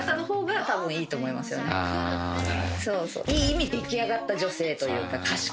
いい意味で出来上がった女性というか賢い。